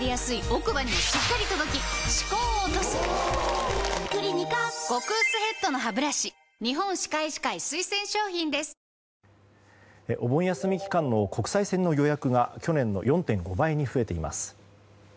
お盆休み期間の国際線の予約が去年の４．５倍に増えています。